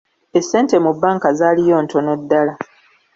Essente mu banka zaliyo ntono ddala.